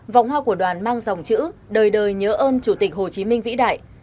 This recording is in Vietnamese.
vòng hoa của đoàn mang dòng chữ đời đời nhớ ơn chủ tịch hồ chí minh vĩ đại